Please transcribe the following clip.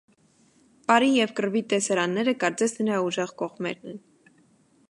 Պարի և կռվի տեսարանները, կարծես նրա ուժեղ կողմերն են։